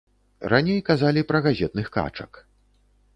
Раней казалі пра газетных качак.